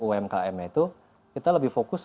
umkm itu kita lebih fokus